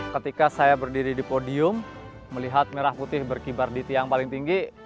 ketika saya berdiri di podium melihat merah putih berkibar di tiang paling tinggi